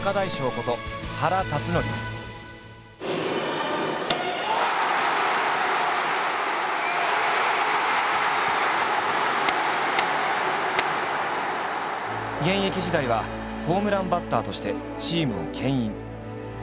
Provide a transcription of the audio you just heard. こと現役時代はホームランバッターとしてチームをけん引。